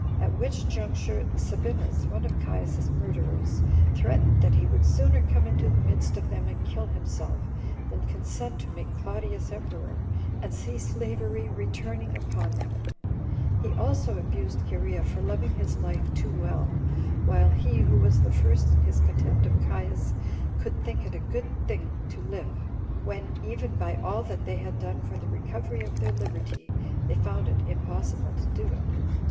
At which juncture Sabinus, one of Caius's murderers, threatened that he would sooner come into the midst of them and kill himself, than consent to make Claudius emperor, and see slavery returning upon them; he also abused Cherea for loving his life too well, while he who was the first in his contempt of Caius, could think it a good thin to live, when, even by all that they had done for the recovery of their liberty, they found it impossible to do it.